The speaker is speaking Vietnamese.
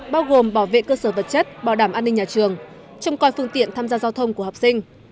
bao gồm bảo vệ cơ sở vật chất bảo đảm an ninh nhà trường trông coi phương tiện tham gia giao thông của học sinh